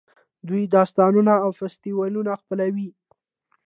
دوی داستانونه او فستیوالونه خپلوي.